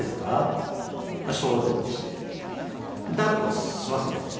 っつって消毒して抱っこしますよね。